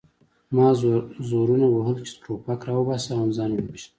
ما زورونه وهل چې ټوپک راوباسم او ځان ووژنم